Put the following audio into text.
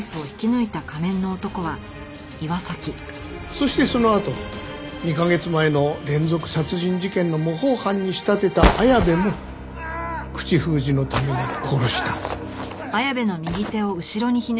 そしてそのあと２カ月前の連続殺人事件の模倣犯に仕立てた綾部も口封じのために殺した。